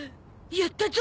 やったゾ。